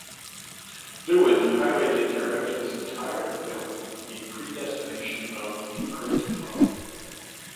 Lewin highlighted throughout his entire film the predestination of a great love.